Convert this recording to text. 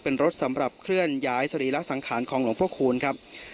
เป็นรถสำหรับเคลื่อนย้ายสรีระสังขารของหลวงพระคูณครับ